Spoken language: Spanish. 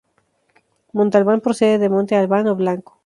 Montalbán procede de "monte albán o blanco".